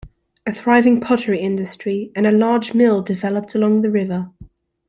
A thriving pottery industry and a large mill developed along the river.